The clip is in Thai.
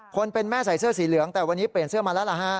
คนเป็นแม่ใส่เสื้อสีเหลืองแต่วันนี้เปลี่ยนเสื้อมาแล้วล่ะฮะ